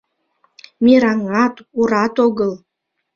Мераҥат, урат огыл...